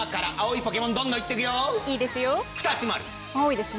いいですよ。